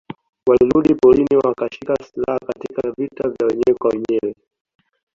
Walirudi porini wakashika silaha Katika vita vya wenyewe kwa wenyewe